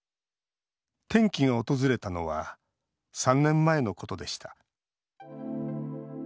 転機が訪れたのは３年前のことでした。